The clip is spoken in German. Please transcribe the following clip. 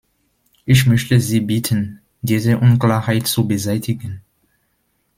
Ich möchte Sie bitten, diese Unklarheit zu beseitigen.